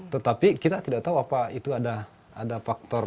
tetapi kita tidak tahu apa itu ada faktor